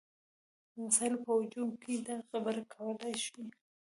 د مسایلو په هجوم کې دا خبره کولی شي.